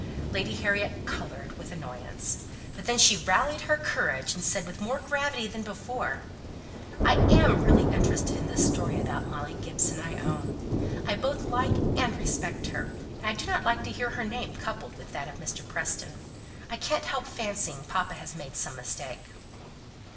Lady Harriet coloured with annoyance. But then she rallied her courage, and said with more gravity than before, "I am really interested in this story about Molly Gibson, I own. I both like and respect her; and I do not like to hear her name coupled with that of Mr. Preston. I can't help fancying papa has made some mistake."